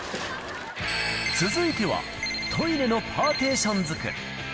続いては、トイレのパーテーション作り。